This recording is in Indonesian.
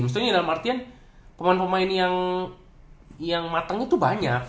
maksudnya dalam artian pemain pemain yang matang itu banyak